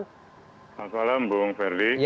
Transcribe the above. selamat malam bung ferdi